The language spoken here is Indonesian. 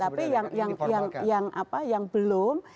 tapi yang belum